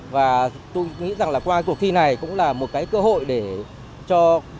và tôi nghĩ rằng là qua cuộc thi này cũng là một cái cơ hội để cho